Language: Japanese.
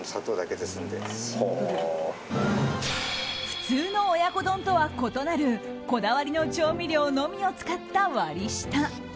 普通の親子丼とは異なるこだわりの調味料のみを使った割り下。